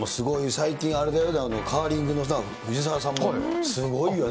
最近あれだよ、カーリングのさ、ふじさわさんも、すごいよね。